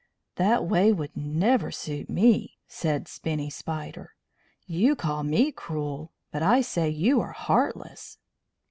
"That way would never suit me," said Spinny Spider. "You call me cruel, but I say you are heartless."